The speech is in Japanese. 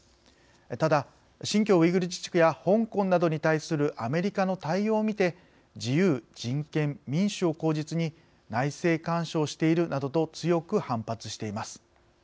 ただ、新疆ウイグル自治区や香港などに対するアメリカの対応をみて自由、人権、民主を口実に内政干渉しているなどと強く反発しています。